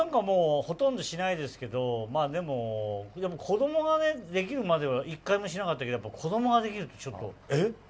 ほとんどしないですけどでも、子供ができるまでは１回もしなかったけど子供ができるとちょっと。